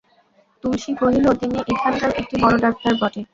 তুলসী কহিল, তিনি এখানকার একটি বড়ো ডাক্তার বটে।